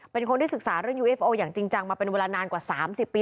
เป็นคนที่ศึกษาเรื่องอย่างจริงจังมาเป็นเวลานานกว่าสามสิบปี